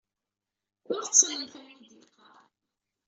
Ur ttamnet ayen i d-yeqqar.